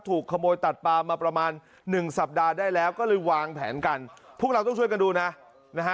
ถูกขโมยตัดปลามาประมาณหนึ่งสัปดาห์ได้แล้วก็เลยวางแผนกันพวกเราต้องช่วยกันดูนะนะฮะ